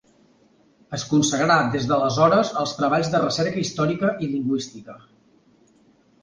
Es consagrà des d'aleshores als treballs de recerca històrica i lingüística.